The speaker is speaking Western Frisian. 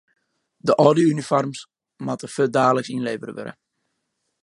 De âlde unifoarms moatte fuortdaliks ynlevere wurde.